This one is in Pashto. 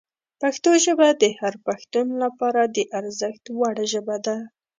پښتو ژبه د هر پښتون لپاره د ارزښت وړ ژبه ده.